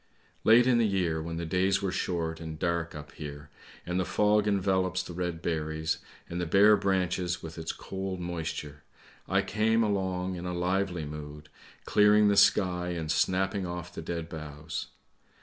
" Late in the year when the days were short and dark up here, and the fog envelops the red berries and bare branches with its cold moisture, I came along in a lively mood, clearing the sky and snapping off the dead boughs.